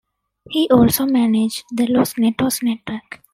He also managed the Los Nettos Network.